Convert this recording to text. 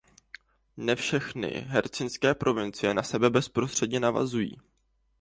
Ne všechny hercynské provincie na sebe bezprostředně navazují.